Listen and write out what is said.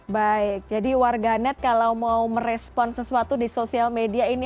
baik jadi warganet kalau mau merespon sesuatu di sosial media ini